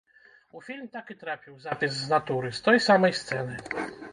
У фільм так і трапіў запіс з натуры, з той самай сцэны.